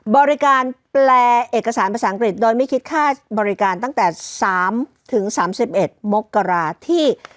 บริการแปลเอกสารภาษาอังกฤษโดยไม่คิดค่าบริการตั้งแต่๓๓๑มกราที่